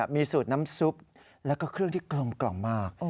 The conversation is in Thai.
มีสูตรน้ำซุปแล้วก็เครื่องที่กลมมาก